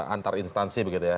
antara instansi begitu ya